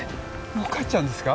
もう帰っちゃうんですか？